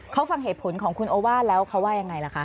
เขาฟังเหตุผลของคุณโอว่าแล้วเขาว่ายังไงล่ะคะ